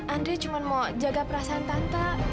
andri cuma mau jaga perasaan tante